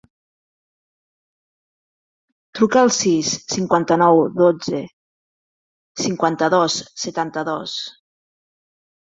Truca al sis, cinquanta-nou, dotze, cinquanta-dos, setanta-dos.